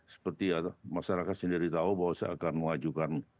seperti atau masyarakat sendiri tahu bahwa saya akan mengajukan